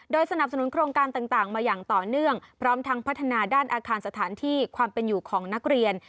สนับสนุนโครงการต่างมาอย่างต่อเนื่องพร้อมทั้งพัฒนาด้านอาคารสถานที่ความเป็นอยู่ของนักเรียน